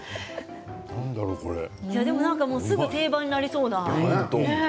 すぐに定番になりそうな。